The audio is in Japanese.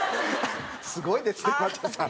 すごいですねまちゃさん。